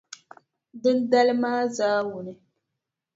Dindali maa zaawuni,